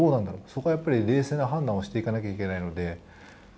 そこはやっぱり冷静な判断をしていかなきゃいけないので。